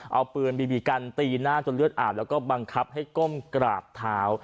เอาปืนบีบีกันตีหน้าจนเลือดอาบแล้วก็บังคับให้ก้มกราบเท้า